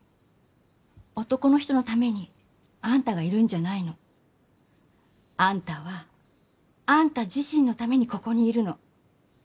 男の人のためにあんたがいるんじゃないの。あんたはあんた自身のためにここにいるの。